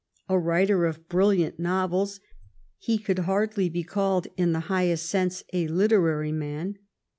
A writer of brilliant novels, he could hardly be called in the highest sense a literary man.